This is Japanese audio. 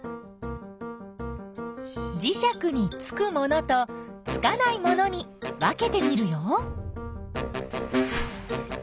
じしゃくにつくものとつかないものに分けてみるよ。